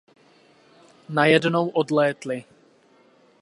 Najednou odlétly.